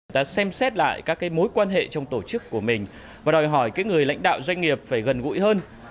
ta xem xét lại các mối quan hệ trong tổ chức của mình và đòi hỏi người lãnh đạo doanh nghiệp phải gần gũi hơn